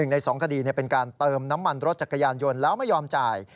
ใน๒คดีเป็นการเติมน้ำมันรถจักรยานยนต์แล้วไม่ยอมจ่าย